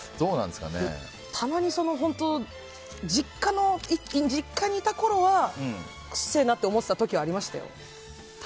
たまに実家にいたころはくせえなって思ってた時はありましたよ。